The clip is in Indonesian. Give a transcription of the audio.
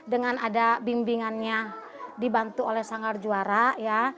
dengan ada bimbingannya dibantu oleh sanggar juara ya